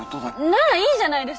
ならいいじゃないですか。